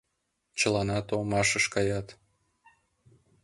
Чыланат омашыш каят.